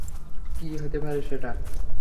কী হতে পারে সেটা?